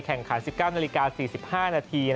แข่งขัน๑๙นาฬิกา๔๕นาที